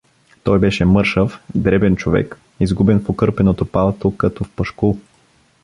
Той беше мършав, дребен човек, изгубен в окърпеното палто като в пашкул.